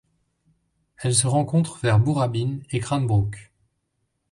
Elle se rencontre vers Boorabbin et Cranbrook.